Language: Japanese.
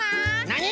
なに！？